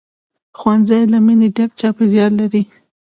ښوونځی له مینې ډک چاپېریال لري